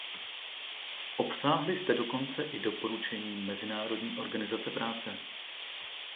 Obsáhli jste dokonce i doporučení Mezinárodní organizace práce.